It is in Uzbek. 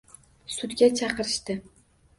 Sudga chaqirishdi.